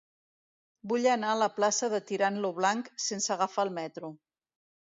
Vull anar a la plaça de Tirant lo Blanc sense agafar el metro.